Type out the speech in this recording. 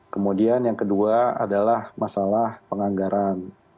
kemudian yang kedua adalah masalah penganggaran